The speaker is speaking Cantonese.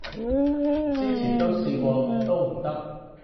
之前都試過都唔得